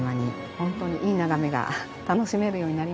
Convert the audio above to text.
ホントにいい眺めが楽しめるようになりました。